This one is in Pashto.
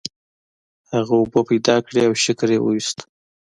هغه اوبه پیدا کړې او شکر یې وویست.